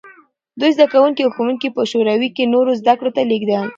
دوی زدکوونکي او ښوونکي په شوروي کې نورو زدکړو ته لېږل.